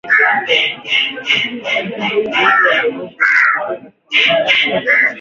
Na polisi kwa kukipendelea chama tawala cha Zanu PF